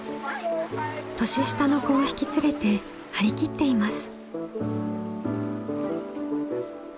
年下の子を引き連れて張り切っています。